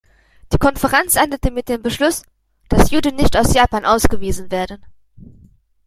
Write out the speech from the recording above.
Die Konferenz endete mit dem Beschluss, dass Juden nicht aus Japan ausgewiesen werden.